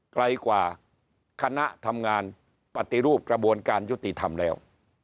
ไกลกว่าคณะทำงานปฏิรูปกระบวนการยุติธรรมแล้ว